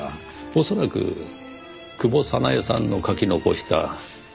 恐らく久保早苗さんの書き残した手紙を持って。